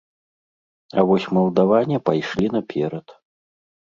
А вось малдаване пайшлі наперад.